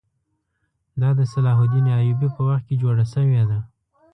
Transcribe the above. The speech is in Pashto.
دا د صلاح الدین ایوبي په وخت کې جوړه شوې ده.